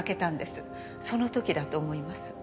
その時だと思います。